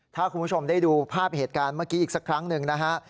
ถ้าคุณผู้ชมได้ดูภาพเหตุการณ์เมื่อกี้อีกสักครั้งหนึ่งนะฮะ